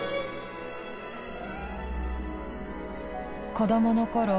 子どものころ